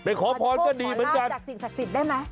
ขอพรก็ดีเหมือนกันจากสิ่งศักดิ์สิทธิ์ได้ไหม